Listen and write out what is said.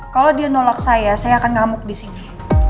kalau dia nolak saya saya akan ngamuk disini